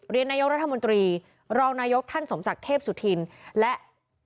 นายกรัฐมนตรีรองนายกท่านสมศักดิ์เทพสุธินและ